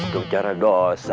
gak bicara dosa